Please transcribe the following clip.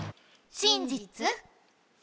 真実？